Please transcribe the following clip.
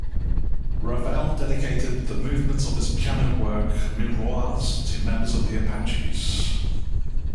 Ravel dedicated the movements of his piano work "Miroirs" to members of the Apaches.